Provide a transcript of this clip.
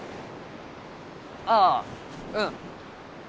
ああうん。